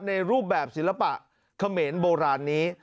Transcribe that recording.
ในรูปแบบศิลปะเขมรโบราณนี้